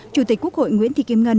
chủ tịch quốc hội nguyễn thị kim ngân